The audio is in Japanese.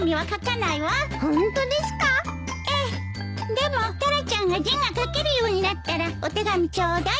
でもタラちゃんが字が書けるようになったらお手紙ちょうだい。